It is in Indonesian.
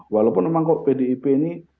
walaupun memang kok pdip ini